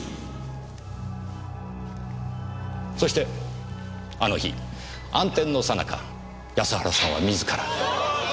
そしてあの日暗転のさなか安原さんは自ら。